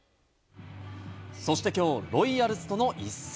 そしてきょう、ロイヤルズとの一戦。